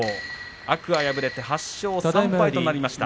天空海は８勝３敗となりました。